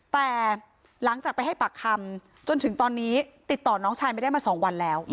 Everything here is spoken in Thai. แต่หลังจากไปให้ปากคำจนถึงตอนนี้ติดต่อน้องชายไม่ได้มา๒วันแล้ว